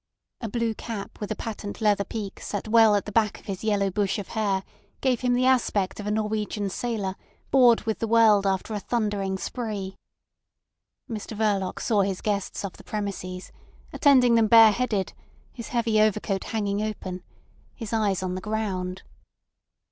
A blue cap with a patent leather peak set well at the back of his yellow bush of hair gave him the aspect of a Norwegian sailor bored with the world after a thundering spree. Mr Verloc saw his guests off the premises, attending them bareheaded, his heavy overcoat hanging open, his eyes on the ground.